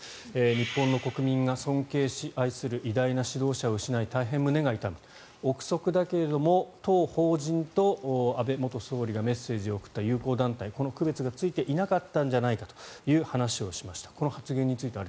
日本の国民が尊敬し愛する偉大な指導者を失い大変胸が痛む臆測だけれども当法人と安倍元総理がメッセージを送った友好団体この区別がついていなかったんじゃないかという話がついていましたこの発言については。